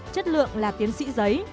chất lượng là tiến sĩ giấy